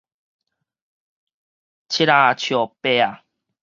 七仔笑八仔